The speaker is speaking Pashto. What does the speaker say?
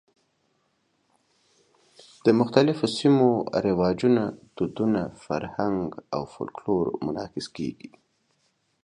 د مختلفو سیمو رواجونه، دودونه، فرهنګ او فولکلور منعکس کېږي.